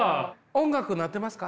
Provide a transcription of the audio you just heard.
音楽鳴ってますか？